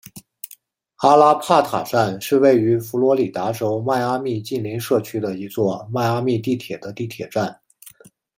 阿拉帕塔站是位于佛罗里达州迈阿密近邻社区的一座迈阿密地铁的地铁站。